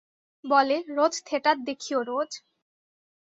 বলে, রোজ থেঠার দেখিও, রোজ।